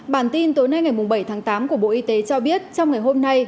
bản tin tối nay ngày bảy tháng tám của bộ y tế cho biết trong ngày hôm nay